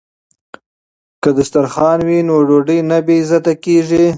که دسترخوان وي نو ډوډۍ نه بې عزته کیږي.